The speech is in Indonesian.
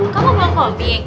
kamu mau komik